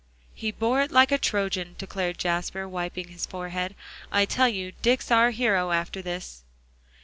"He bore it like a Trojan," declared Jasper, wiping his forehead. "I tell you, Dick's our hero, after this."